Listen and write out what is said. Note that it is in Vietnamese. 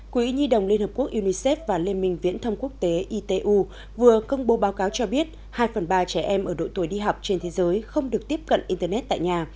quỹ nhi đồng liên hợp quốc unicef và liên minh viễn thông quốc tế itu vừa công bố báo cáo cho biết hai phần ba trẻ em ở đội tuổi đi học trên thế giới không được tiếp cận internet tại nhà